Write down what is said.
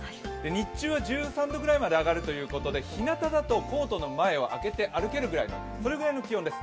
日中は１３度ぐらいまで上がるということで、ひなただと、コートの前を開けて歩けるぐらいの気温です。